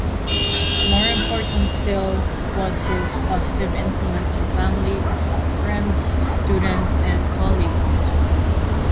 More important still was his positive influence on family, friends, students and colleagues.